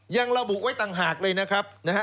ยังระบุไว้ต่างหากเลยนะครับ